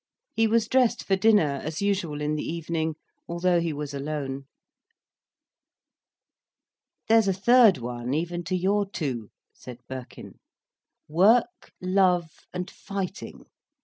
He was dressed for dinner, as usual in the evening, although he was alone. "There's a third one even to your two," said Birkin. "Work, love, and fighting.